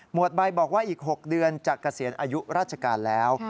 วดใบบอกว่าอีก๖เดือนจะเกษียณอายุราชการแล้ว